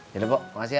yaudah pok makasih ya